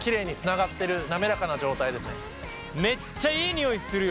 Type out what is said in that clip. めっちゃいい匂いするよ。